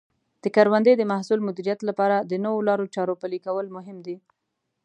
د کروندې د محصول مدیریت لپاره د نوو لارو چارو پلي کول مهم دي.